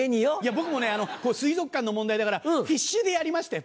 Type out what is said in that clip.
僕もね水族館の問題だからフィッシュでやりましたよ